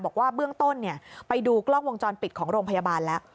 บอกว่าเบื้องต้นไปดูกล้องวงจรปิดของโรงพยาบาลแล้ว